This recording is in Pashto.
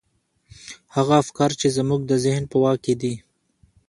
هغه افکار چې زموږ د ذهن په واک کې دي.